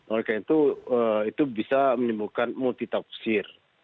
oleh karena itu itu bisa menimbulkan multitafsir